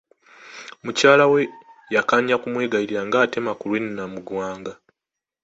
Mukyala we yakanya kumwegayirira ng'atema ku lw'e Namuganga.